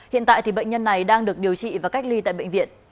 hiện tại bệnh nhân này đang được điều trị và cách ly tại bệnh viện